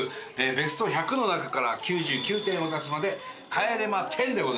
ベスト１００の中から９９点を出すまで帰れま点でございます。